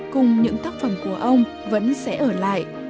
cùng những tác phẩm của ông vẫn sẽ ở lại